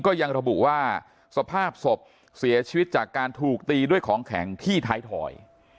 ยังระบุว่าสภาพศพเสียชีวิตจากการถูกตีด้วยของแข็งที่ท้ายถอย